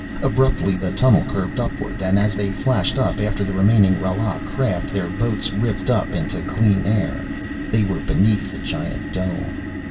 Abruptly the tunnel curved upward and as they flashed up after the remaining Rala craft their boats ripped up into clear air! They were beneath the giant dome!